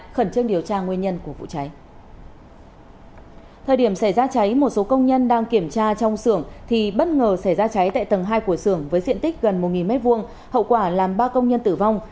thời điểm xảy ra cháy một số công nhân đang kiểm tra trong xưởng thì bất ngờ xảy ra cháy tại tầng hai của sưởng với diện tích gần một m hai hậu quả làm ba công nhân tử vong